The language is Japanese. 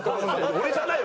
俺じゃないよ。